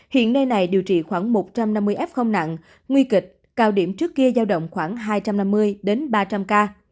hiện nay này điều trị khoảng một trăm năm mươi f nặng nguy kịch cao điểm trước kia giao động khoảng hai trăm năm mươi đến ba trăm linh ca